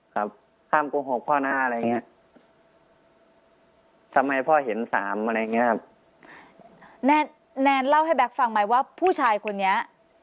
ครับห้ามโกหกพ่อหน้าอะไรเงี้ยทำให้พ่อเห็นสามอะไรเงี้ยแนนแนนเล่าให้แบ็คฟังใหม่ว่าผู้ชายคนนี้